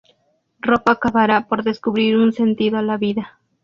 Rob acabará por descubrir un sentido a la vida.